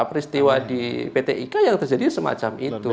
peristiwa di pt ika yang terjadi semacam itu